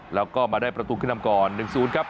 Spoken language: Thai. แล้วก็มาได้ประตูขึ้นนำก่อน๑๐ครับ